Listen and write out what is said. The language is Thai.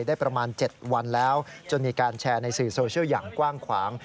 ได้ประมาณ๗วันแล้วจนมีการแชร์ในสื่อโซเชียลอย่างกว้างขวาง